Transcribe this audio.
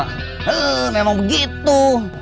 he memang begitu